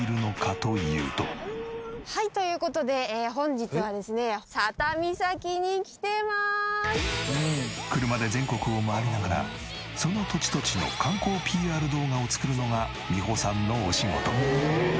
一体車で全国を回りながらその土地土地の観光ＰＲ動画を作るのがみほさんのお仕事。